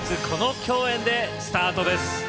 この共演でスタートです。